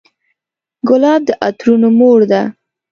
ګلاب د عطرونو مور ده.